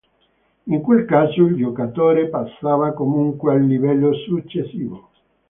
In quel caso il giocatore passava comunque al livello successivo.